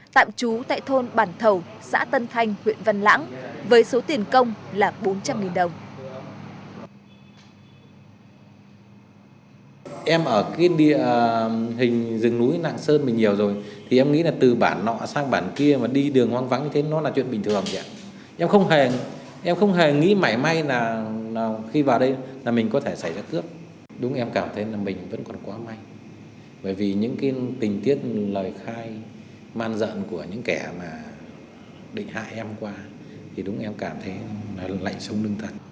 tạm trú tại thôn bản thầu xã tân thanh huyện văn lãng với số tiền công là bốn trăm linh nghìn đồng